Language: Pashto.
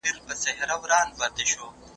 که تاسو نه وي نو بیګانه ته به یې وایي.